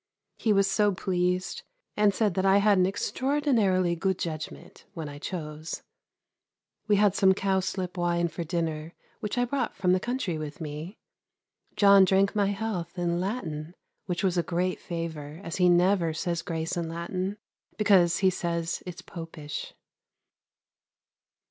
He was so pleased, and said that I had an extraordinarily good judgment, when I chose. We had some cowslip wine for dinner which I brought from the country with me. John drank my health in Latin, which was a great favour, as he never says grace in Latin, because he says it's Popish.